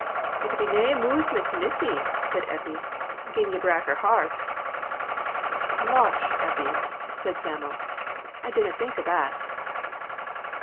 "It'll be nae amoosement to Mysy," said Eppie, "gin ye brak her heart." "Losh, Eppie," said Sam'l, "I didna think o' that."